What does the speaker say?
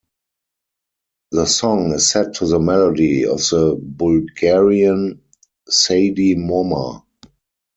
The song is set to the melody of the Bulgarian "Sadi Moma".